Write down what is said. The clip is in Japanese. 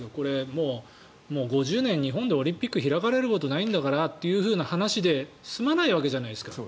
もう５０年日本でオリンピックが開かれることないんだからという話で済まないわけじゃないですか。